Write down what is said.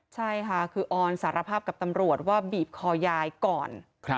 ใช่ค่ะคือออนสารภาพกับตำรวจว่าบีบคอยายก่อน